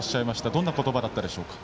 どんな言葉だったでしょうか。